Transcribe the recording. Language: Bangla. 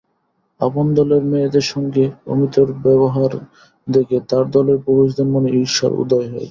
আপন দলের মেয়েদের সঙ্গে অমিতর ব্যবহার দেখে তার দলের পুরুষদের মনে ঈর্ষার উদয় হয়।